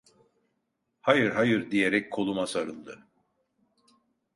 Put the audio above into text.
"Hayır, hayır!" diyerek koluma sarıldı.